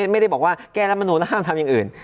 ไม่ได้บอกว่าแก้รัฐมนูลแล้วห้ามทำอย่างอื่น